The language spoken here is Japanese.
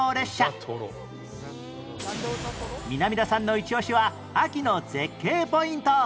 南田さんのイチオシは秋の絶景ポイント